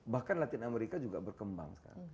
bahkan latin amerika juga berkembang